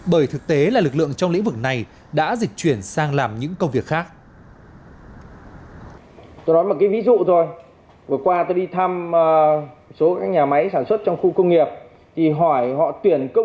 bởi thực tế là lực lượng trong lĩnh vực này đã dịch chuyển sang làm những công việc khác